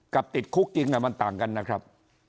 ติดคุกจริงมันต่างกันนะครับ